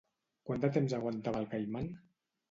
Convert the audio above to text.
Quant de temps aguantava el Caiman?